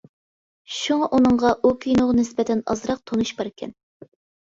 شۇڭا ئۇنىڭغا ئۇ كىنوغا نىسبەتەن ئازراق تونۇش باركەن.